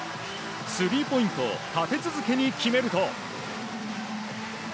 スリーポイントを立て続けに決めると。